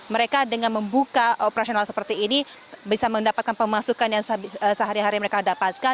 mereka dengan membuka operasional seperti ini bisa mendapatkan pemasukan yang sehari hari mereka dapatkan